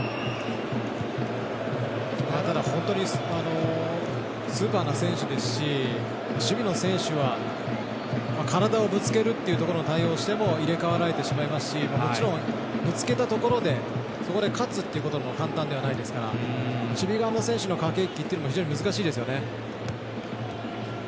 ただ本当にスーパーな選手ですし守備の選手は体をぶつけるという対応をしても入れ代わられてしまいますしもちろんぶつけたところでそこで勝つっていうことも簡単ではないですから守備側の選手の駆け引きっていうのも難しいですよね。